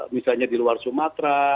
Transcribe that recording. misalnya di luar sumatera